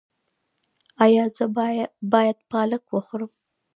ایا زه باید پالک وخورم؟